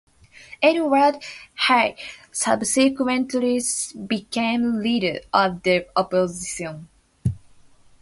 Edward Hay subsequently became Leader of the Opposition.